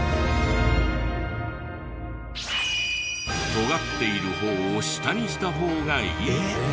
尖っている方を下にした方がいい。